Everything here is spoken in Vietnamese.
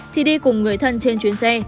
thì đi cùng người thân trên chuyến xe